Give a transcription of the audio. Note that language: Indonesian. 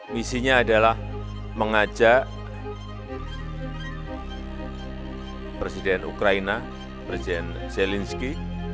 misinya adalah mengajak presiden ukraina presiden zelensky